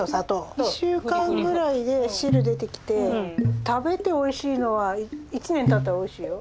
２週間ぐらいで汁出てきて食べておいしいのは１年たったらおいしいよ。